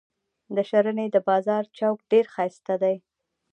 د شرنۍ د بازار چوک ډیر شایسته دي.